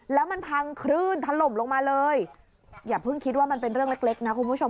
แล้วมันพังคลื่นถล่มลงมาเลยอย่าเพิ่งคิดว่ามันเป็นเรื่องเล็กนะคุณผู้ชม